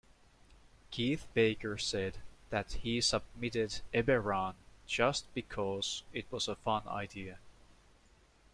Keith Baker said that he submitted Eberron just because it was a fun idea.